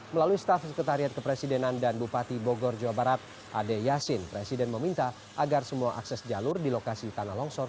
melalui staf sekretariat kepresidenan dan bupati bogor jawa barat ade yasin presiden meminta agar semua akses jalur di lokasi tanah longsor